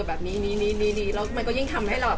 แบบนี้แล้วมันก็ยิ่งทำให้เรา